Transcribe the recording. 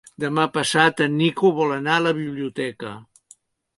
Demà passat en Nico vol anar a la biblioteca.